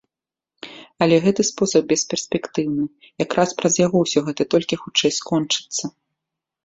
Але гэты спосаб бесперспектыўны, якраз праз яго ўсё гэта толькі хутчэй скончыцца.